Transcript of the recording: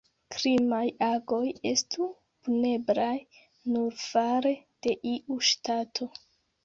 Krimaj agoj estu puneblaj nur fare de iu ŝtato.